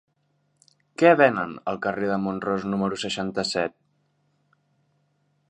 Què venen al carrer de Mont-ros número seixanta-set?